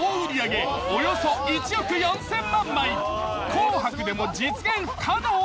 「紅白」でも実現不可能！？